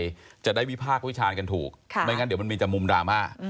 จะได้วิพากษ์วิจารณ์กันถูกไม่งั้นเดี๋ยวมันมีแต่มุมดราม่า